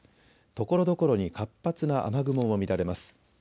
ところどころに活発な雨雲も見られます。